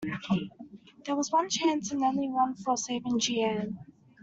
There was one chance, and only one, of saving Jeanne.